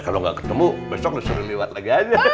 kalau gak ketemu besok lo suruh lewat lagi aja